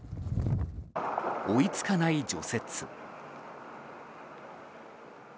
追いつかない除雪。